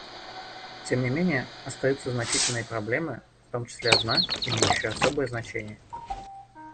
Тем не менее остаются значительные проблемы, в том числе одна, имеющая особое значение.